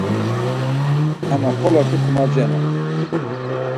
Ama xoloti komadzirenan.